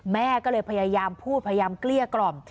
แม่ก็เลยพยายามพูดพยายามเกลี้ยกล่อม